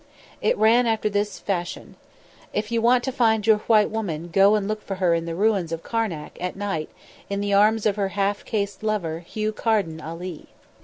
It ran after this fashion: "If you want to find your white woman go and look for her in the ruins of Karnak, at night, in the arms of her half caste lover, Hugh Carden Ali."